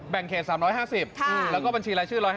เขต๓๕๐แล้วก็บัญชีรายชื่อ๑๕๐